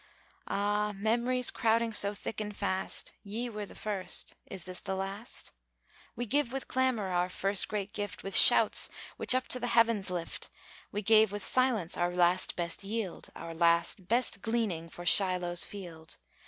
Ah, memories crowding so thick and fast, Ye were the first; is this the last? We gave with clamor our first great gift, With shouts which up to the heavens lift; We gave with silence our last best yield, Our last, best gleaning for Shiloh's field.